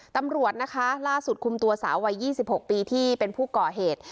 ตำรวจนะคะล่าสุดคุมตัวสาววัย๒๖ปีที่เป็นผู้ก่อเหตุ